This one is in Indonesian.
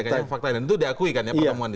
itu diakui kan pertemuan itu